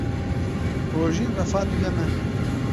Rojîn refa duyem e.